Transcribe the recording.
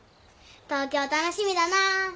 東京楽しみだな。